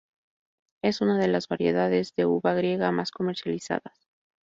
Es una de las variedades de uva griega más comercializadas.